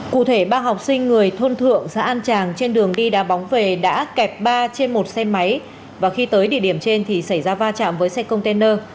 cụ thể ba học sinh người thôn thượng xã an tràng trên đường đi đà bóng về đã kẹp ba trên một xe máy và khi tới địa điểm trên thì xảy ra va chạm với xe container